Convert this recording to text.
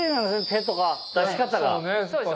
手とか出し方が。